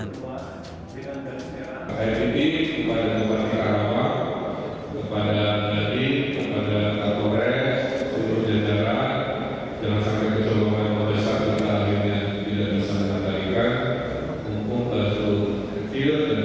untuk jajaran jalan sakit kejauhan yang berbesar